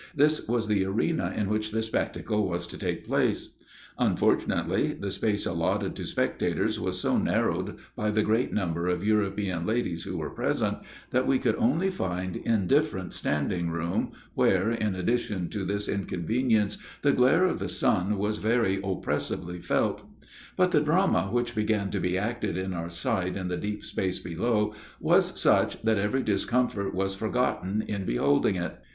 This was the arena in which the spectacle was to take place. Unfortunately, the space allotted to spectators was so narrowed by the great number of European ladies who were present, that we could only find indifferent standing room, where, in addition to this inconvenience, the glare of the sun was very oppressively felt; but the drama which began to be acted in our sight in the deep space below, was such that every discomfort was forgotten in beholding it.